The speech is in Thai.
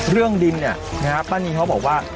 เรื่องดินเนี่ยนะฮะป้านีเขาบอกว่า